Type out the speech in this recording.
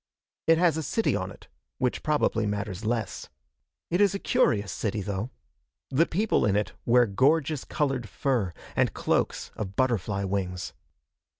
It has a city on it, which probably matters less. It is a curious city, though. The people in it wear gorgeous colored fur, and cloaks of butterfly wings.